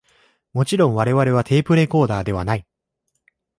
もちろん我々はテープレコーダーではない